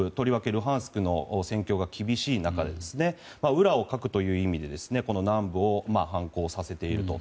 ルハンスクの戦況が厳しい中で裏をかくという意味で南部を反攻させていると。